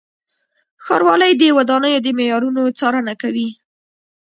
ښاروالۍ د ودانیو د معیارونو څارنه کوي.